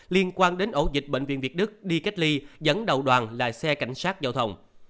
liên quan đến ẩu dịch bệnh viện việt đức đi cách ly dẫn đầu đoàn là xe cảnh sát giao thông